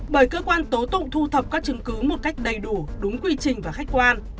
bởi cơ quan tố tụng thu thập các chứng cứ một cách đầy đủ đúng quy trình và khách quan